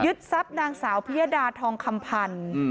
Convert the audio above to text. ทรัพย์นางสาวพิยดาทองคำพันธ์